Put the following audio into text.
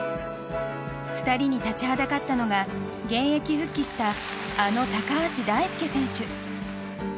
２人に立ちはだかったのが現役復帰したあの高橋大輔選手。